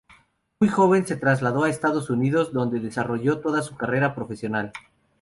Muy joven se trasladó a Estados Unidos, donde desarrolló toda su carrera profesional.